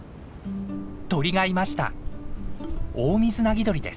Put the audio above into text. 鳥がいました。